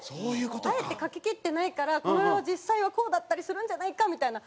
あえて描ききってないからこれは実際はこうだったりするんじゃないかみたいな。